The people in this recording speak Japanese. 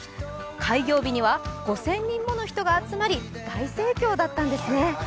開業日には５０００人もの人が集まり大盛況だったんですね。